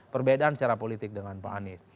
perbedaan secara politik dengan pak anies